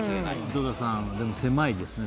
井戸田さん、でも狭いですね